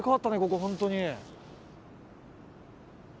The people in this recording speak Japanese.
ここ本当に。